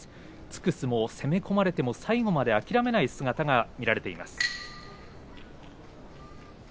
突く相撲攻め込まれても最後まで諦めない姿が見られています。